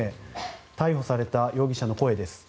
逮捕された容疑者の声です。